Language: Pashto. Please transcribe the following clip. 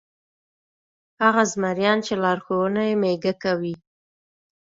هغه زمریان چې لارښوونه یې مېږه کوي.